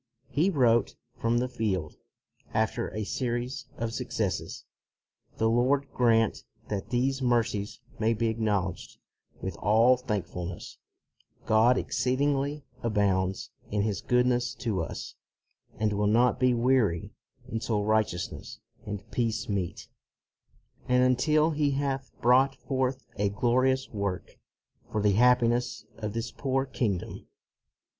He wrote from the field, after a series of successes, " The Lord grant that these mercies may be acknowl edged with all thankfulness: God exceed ingly abounds in His goodness to us, and will not be weary until righteousness and peace meet, and until He hath brought forth a glorious work for the happiness of this poor kingdom.'